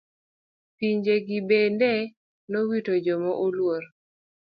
Pinje gi bende nowito joma oluor.